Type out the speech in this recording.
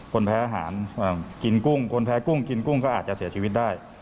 คนแพ้อาหารกินกุ้งคนแพ้กุ้งกินกุ้งก็อาจจะเสียชีวิตได้